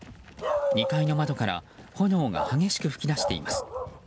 ２階の窓から炎が激しく噴き出しています。